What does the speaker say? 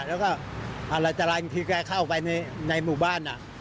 แล้วก็อะไรจะไรอีกทีแกเข้าไปในหมู่บ้านอ่ะ